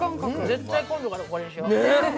絶対今度からこれにしよう。